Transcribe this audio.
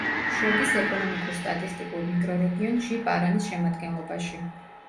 შედის ეკონომიკურ-სტატისტიკურ მიკრორეგიონ ჟი-პარანის შემადგენლობაში.